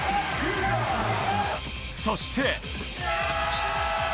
そして。